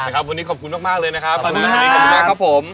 วันนี้ขอบคุณมากเลยนะครับตอนนี้ขอบคุณมากครับผม